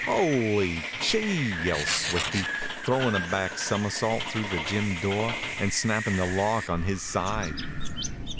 "Hully chee!" yells Swifty, throwin' a back somersault through the gym. door and snappin' the lock on his side.